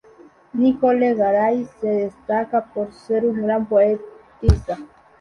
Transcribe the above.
Nicole Garay se destaca por ser una gran poetisa.